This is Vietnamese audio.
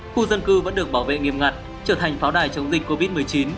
khu dân cư vẫn được bảo vệ nghiêm ngặt trở thành pháo đài chống dịch covid một mươi chín